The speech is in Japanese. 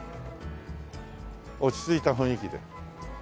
落ち着いた雰囲気で。